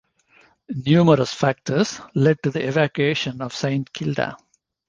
Numerous factors led to the evacuation of Saint Kilda.